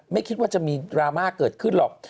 ไม่คิดว่าจะมีดราม่าเกิดขึ้นหรอก